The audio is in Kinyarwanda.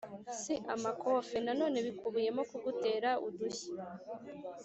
si amakofe Nanone bikubiyemo kugutera udushyi